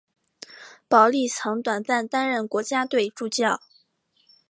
保历曾短暂担任国家队助教。